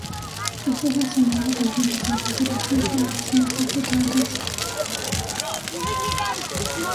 Está sazonado con finas hierbas y resulta más una salsa que un queso.